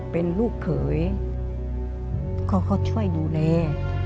เป็นลูกเขยเขาก็ช่วยดูแล